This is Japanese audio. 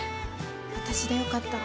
私でよかったら。